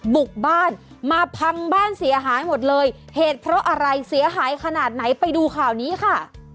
บุกบ้านมาพังบ้านเสียหายหมดเลยเหตุเพราะอะไรเสียหายขนาดไหนไปดูข่าวนี้ค่ะ